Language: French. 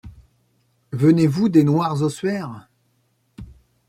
Venez-vous des noirs ossuaires ?